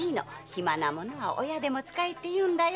「暇な者は親でも使え」っていうんだよ。